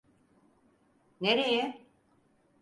Nereye?